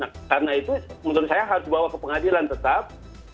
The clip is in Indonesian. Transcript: karena itu menurut saya harus bawa ke pengadilan tetap